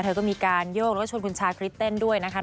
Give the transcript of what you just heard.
เธอก็มีการโยกรถชนคุณชาคริสเต้นด้วยนะคะ